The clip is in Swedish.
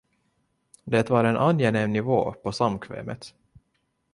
Det var en angenäm nivå på samkvämet